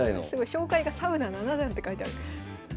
紹介が「サウナ七段」って書いてある。